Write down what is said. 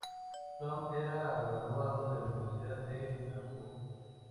Thom era un graduado de la Universidad de Glasgow.